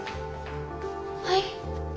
はい？